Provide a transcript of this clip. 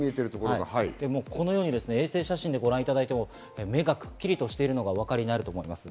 このように衛星写真でご覧いただいても、目がくっきりとしているのがお分かりになると思います。